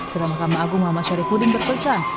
dalam mahkamah agung mama syarifudin berpesan